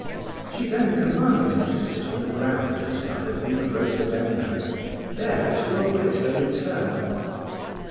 She then commanded him to sit on the ground beside a big rhododendron, there to await her return.